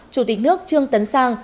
chủ tịch nước trương tấn sang